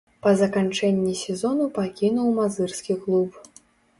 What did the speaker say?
Па заканчэнні сезону пакінуў мазырскі клуб.